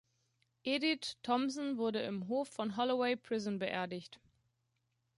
Edith Thompson wurde im Hof von Holloway Prison beerdigt.